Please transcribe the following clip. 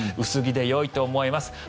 薄着でよいと思います。